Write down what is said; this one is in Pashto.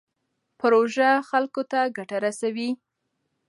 پروژه خلکو ته ګټه رسوي.